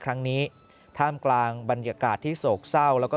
ครั้งนี้ท่ามกลางบรรยากาศที่โศกเศร้าแล้วก็